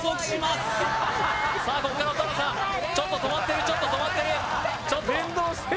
ここから蛍原さんちょっと止まってるちょっと止まってる連動してる